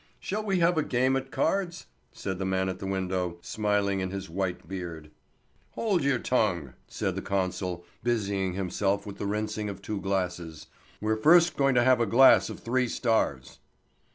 "Shall we have a game at cards?" said the man at the window, smiling in his white beard. "Hold your tongue!" said the consul, busying himself with the rinsing of two glasses. "We're first going to have a glass of three stars."